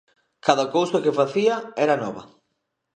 Cada cousa que facía era nova.